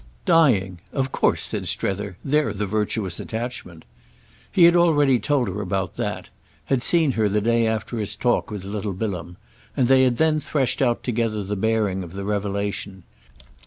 "Dying. Of course," said Strether, "they're the virtuous attachment." He had already told her about that—had seen her the day after his talk with little Bilham; and they had then threshed out together the bearing of the revelation.